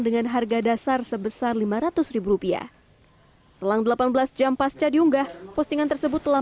dengan harga dasar sebesar lima ratus rupiah selang delapan belas jam pasca diunggah postingan tersebut telah